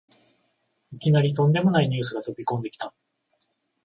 いきなりとんでもないニュースが飛びこんできた